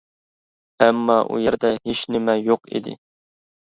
ئەمما ئۇ يەردە ھېچنېمە يوق ئىدى.